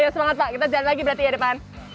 semangat pak kita jalan lagi berarti ya depan